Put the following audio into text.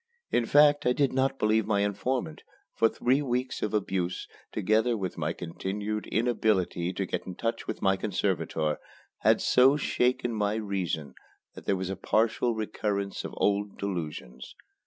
In fact I did not believe my informant; for three weeks of abuse, together with my continued inability to get in touch with my conservator, had so shaken my reason that there was a partial recurrence of old delusions.